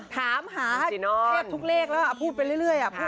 ถามหาแทบทุกเลขแล้วพูดไปเรื่อย